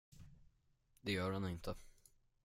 Det gör den inte!